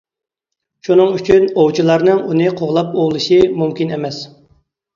شۇنىڭ ئۈچۈن ئوۋچىلارنىڭ ئۇنى قوغلاپ ئوۋلىشى مۇمكىن ئەمەس.